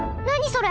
それ。